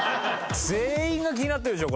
全員が気になってるでしょ